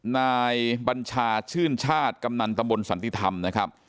นายบัญชาชื่นชาติกำนันตำบลสันติธรรมนะครับ